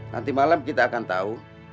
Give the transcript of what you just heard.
nanti malam kita akan tahu